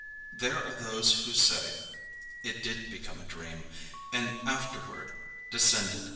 There are those who say it did become a dream, and afterward descended.